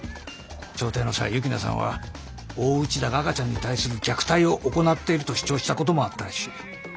調停の際幸那さんは大内田が赤ちゃんに対する虐待を行っていると主張したこともあったらしい。